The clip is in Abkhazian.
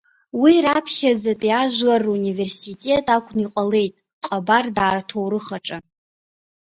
Уи раԥхьаӡатәи ажәлар руниверситет акәны иҟалеит ҟабардаа рҭоурых аҿы.